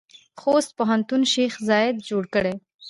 خوست پوهنتون شیخ زاید جوړ کړی؟